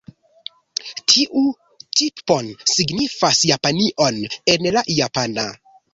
Tiu 'Nippon' signifas Japanion en la japana.